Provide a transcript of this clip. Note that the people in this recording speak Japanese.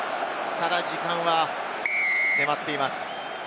ただ時間は迫っています。